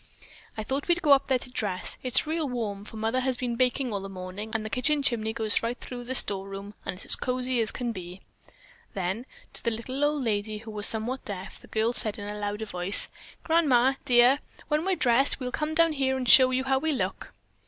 I thought we'd go up there to dress. It's real warm, for Mother has been baking all the morning and the kitchen chimney goes right through the storeroom and it's cosy as can be." Then to the little old lady, who was somewhat deaf, the girl said in a louder voice: "Grandma, dear, when we're dressed, we'll come down here and show you how we look."